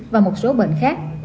và một số bệnh khác